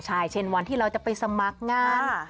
ใช่เช่นวันที่เราจะไปสมัครงาน